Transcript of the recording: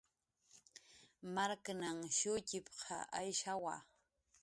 "Marknhan shutxp""q Ayshawa."